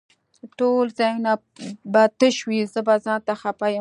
ټول ځايونه به تش وي زه به ځانته خپه يم